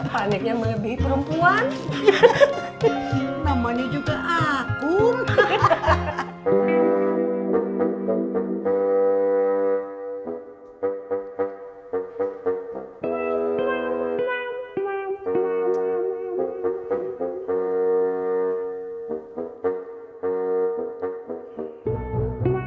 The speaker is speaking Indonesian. penyakin yang lebih perempuan namanya juga aku